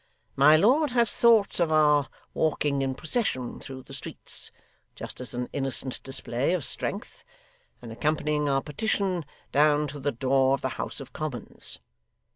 My lord has thoughts of our walking in procession through the streets just as an innocent display of strength and accompanying our petition down to the door of the House of Commons.